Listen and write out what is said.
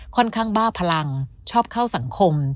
ข้างบ้าพลังชอบเข้าสังคม